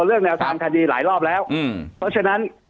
เรื่องแนวทางคดีหลายรอบแล้วเพราะฉะนั้น